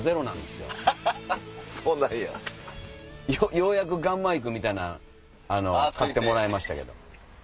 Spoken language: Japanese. ようやくガンマイクみたいなん買ってもらえましたけど。